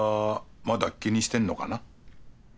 まだ気にしてんのかな？